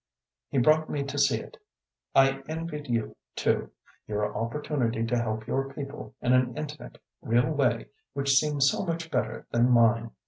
He brought me to see it. I envied you, too your opportunity to help your people in an intimate, real way which seemed so much better than mine.